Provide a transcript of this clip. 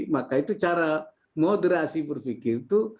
maka itu cara moderasi berpikir itu